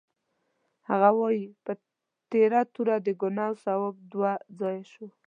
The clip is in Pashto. هغه وایي: په تېره توره د ګناه او ثواب دوه ځایه شو.